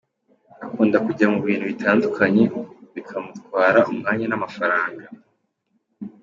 Akunda kujya mu bintu bitandukanye bikamutwara umwanya n’amafaranga.